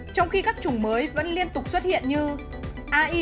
trong khi các chủng mới vẫn liên tục xuất hiện như